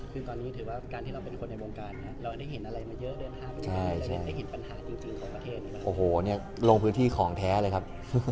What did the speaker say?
คือตอนนี้ถือว่าการที่เราเป็นคนในวงการนะครับ